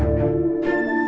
saya akan mengambil alih